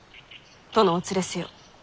殿をお連れせよ。